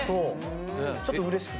ちょっとうれしくて。